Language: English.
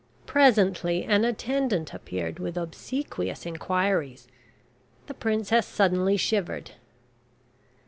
Presently an attendant appeared with obsequious inquiries. The princess suddenly shivered.